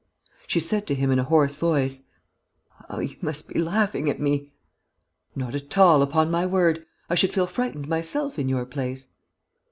She said to him, in a hoarse voice: "How you must be laughing at me!" "Not at all, upon my word. I should feel frightened myself, in your place."